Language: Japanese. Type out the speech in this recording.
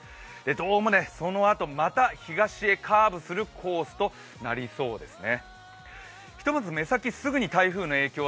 どうもそのあと、また東へカーブするコースとなりそうですね。